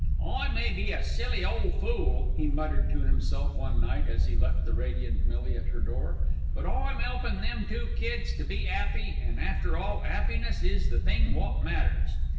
"I may be a silly ole fool," he muttered to himself one night as he left the radiant Milly at her door, "but I'm 'elpin' them two kids to be 'appy, an' after all, 'appiness is the thing wot matters.